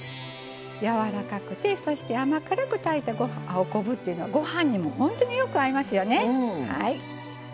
やわらかくてそして甘辛く炊いたお昆布というのはご飯にもほんとによく合いますよね。